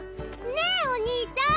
ねえお兄ちゃん！